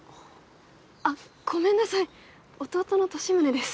あっごめんなさい弟の利宗です。